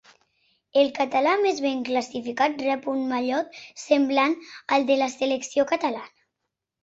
El català més ben classificat rep un mallot semblant al de la selecció catalana.